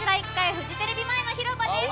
フジテレビ前の広場です。